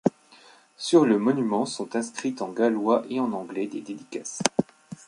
Sur le monument sont inscrites en gallois et en anglais des dédicaces.